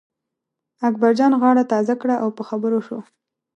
اکبرجان غاړه تازه کړه او په خبرو شو.